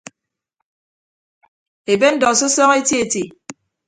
Ebe ndọ sọsọñọ eti eti.